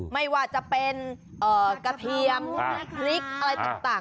ไม่ว่าจะเป็นกระเทียมพริกอะไรต่าง